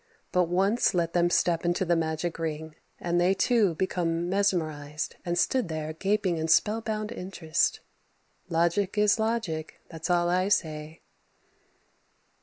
But once let them step into the magic ring and they too became mesmerized and stood there gaping in spellbound interest. "Logic is logic, that's all I say."